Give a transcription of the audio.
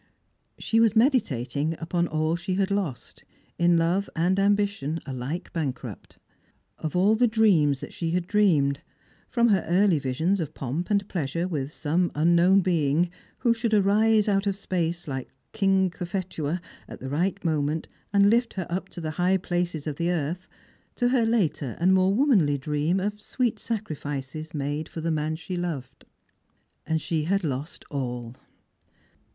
She was meditating upon all she had lost — in love and am bition alike bankrupt; of all the dreams that she had dreamed, from her early visions of pomp and pleasure with some unknown being who should arise out of space, like king Cophetua, at the right moment, and lift her up to the high places of the earth, to her later and more womanly dream of sweet sacrifices made for the man she loved. And she had lost all.